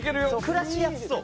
暮らしやすそう。